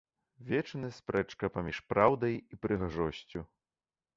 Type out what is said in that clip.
Вечная спрэчка паміж праўдай і прыгажосцю.